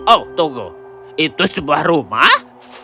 oh tunggu itu sebuah rumah